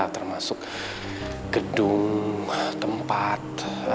termasuk gedung tempat